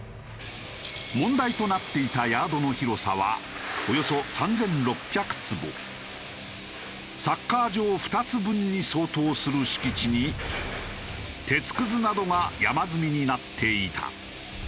問題となっていたサッカー場２つ分に相当する敷地に鉄くずなどが山積みになっていた。